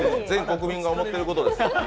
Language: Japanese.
全国民が思ってることです。